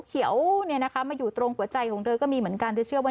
เขียวเนี่ยนะคะมาอยู่ตรงหัวใจของเธอก็มีเหมือนกันเธอเชื่อว่า